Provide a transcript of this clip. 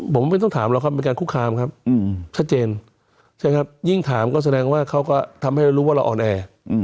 ผมไม่ต้องถามแล้วครับเป็นการคุกคามครับชัดเจนยิ่งถามก็แสดงว่าเขาก็ทำให้รู้ว่าเราออนแอ